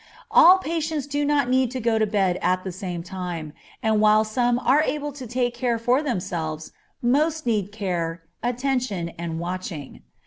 All patients do not need to go to bed at the same time, and while some are able to care for themselves, most need care, attention, and watching.